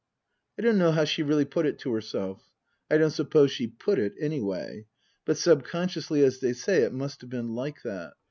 I don't know how she really put it to herself ; I don't suppose she " put " it any way ; but subconsciously, as they say, it must have been like that.